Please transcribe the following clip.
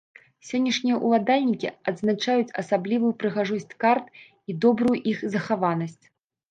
Сённяшнія ўладальнікі адзначаюць асаблівую прыгажосць карт і добрую іх захаванасць.